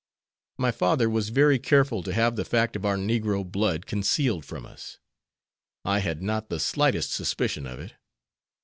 My father was very careful to have the fact of our negro blood concealed from us. I had not the slightest suspicion of it.